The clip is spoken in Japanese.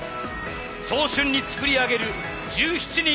早春に作り上げる１７人の青春賦。